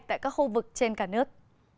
tại các khu vực trên cả nước